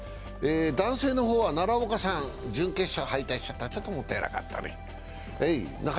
男性の方は奈良岡さん、準決勝敗退しちゃった、ちょっともったいなかったね。